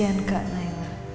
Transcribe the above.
kasian kak nailah